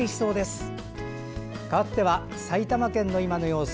かわっては埼玉県の今の様子。